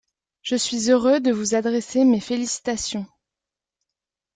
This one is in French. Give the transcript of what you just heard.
Je suis heureux de vous adresser mes félicitations.